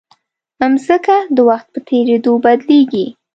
مځکه د وخت په تېرېدو بدلېږي.